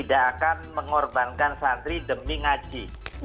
tidak akan mengorbankan santri demi ngaji